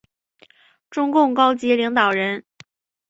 中共高级领导人。